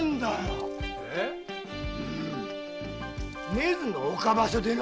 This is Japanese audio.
根津の岡場所でよ。